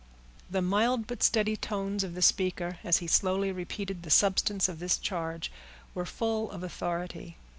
The mild but steady tones of the speaker, as he slowly repeated the substance of this charge, were full of authority.